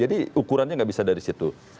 jadi ukurannya nggak bisa dari situ